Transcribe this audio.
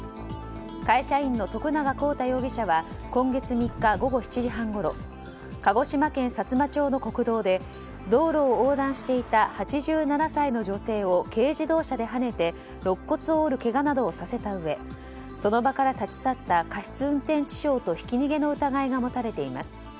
会社員の徳永浩太容疑者は今月３日、午後７時半ごろ鹿児島県さつま町の国道で道路を横断していた８７歳の女性を軽自動車ではねてろっ骨を折るけがなどをさせたうえその場から立ち去った過失運転致傷とひき逃げの疑いが持たれています。